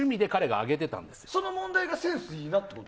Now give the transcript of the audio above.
その問題がセンスいいなと？